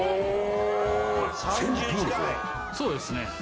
そうですね。